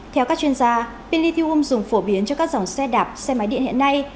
theo các chuyên gia pin lithium dùng phổ biến cho các dòng xe đạp xe máy điện hiện nay